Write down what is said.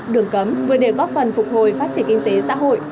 đường cấm vừa để góp phần phục hồi phát triển kinh tế xã hội